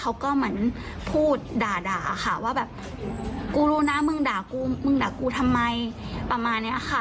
เขาก็เหมือนพูดด่าค่ะว่าแบบกูรู้นะมึงด่ากูมึงด่ากูทำไมประมาณเนี้ยค่ะ